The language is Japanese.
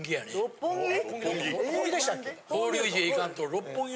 六本木？